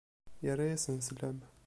Yerra-asen slam.